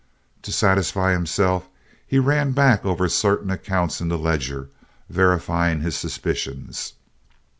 To satisfy himself he ran back over certain accounts in the ledger, verifying his suspicions.